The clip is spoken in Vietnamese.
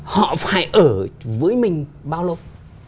họ phải ở với mình bao lâu